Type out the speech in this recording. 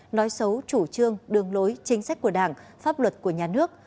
nói xấu chủ trương đường lối chính sách của đảng pháp luật của nhà nước